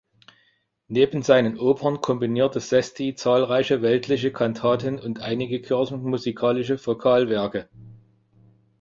Neben seinen Opern komponierte Cesti zahlreiche weltliche Kantaten und einige kirchenmusikalische Vokalwerke.